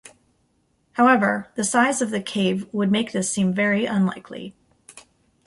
However, the size of the cave would make this seem very unlikely.